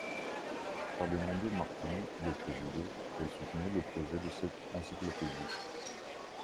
Ferdinando Martini le présidait et soutenait le projet de cette encyclopédie.